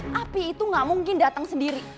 pa api itu gak mungkin datang sendiri